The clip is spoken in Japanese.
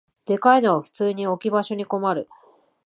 でかいのは普通に置き場所に困る